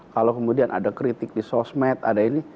kalau kemudian ada kritik di sosmed ada ini